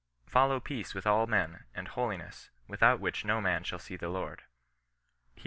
*' Follow peace with all men, and holiness, without which no man shall see the Lord." Heb.